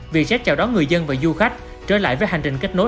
việc sẽ chào đón người dân và du khách trở lại với hành trình kết nối